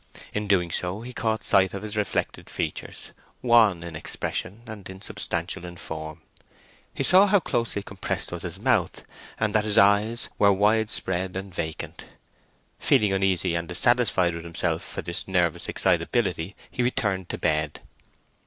In doing so he caught sight of his reflected features, wan in expression, and insubstantial in form. He saw how closely compressed was his mouth, and that his eyes were wide spread and vacant. Feeling uneasy and dissatisfied with himself for this nervous excitability, he returned to bed.